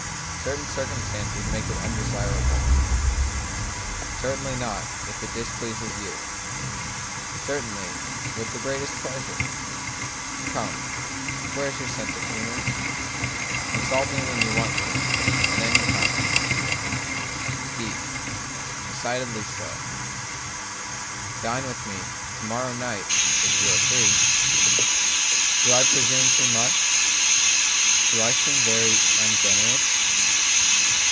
Certain circumstances make it undesirable Certainly not, if it displeases you Certainly, with the greatest pleasure Come, where's your sense of humor? Consult me when you want me at any time D Decidedly so Dine with me to morrow night? if you are free? Do I presume too much? Do I seem very ungenerous?